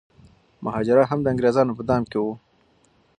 مهاراجا هم د انګریزانو په دام کي و.